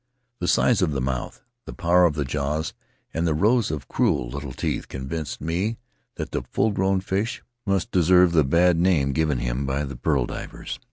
The size of the mouth, the power of the jaws, and the rows of cruel little teeth, convinced me that the full grown fish must deserve the bad name given him by the pearl divers.